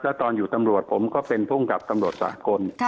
แล้วตอนอยู่ตำรวจผมก็เป็นภูมิกับตำรวจสากล